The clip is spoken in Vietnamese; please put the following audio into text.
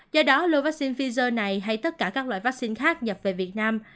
do đó lô vaccine pfizer này hay tất cả các loại vaccine khác nhập về việt nam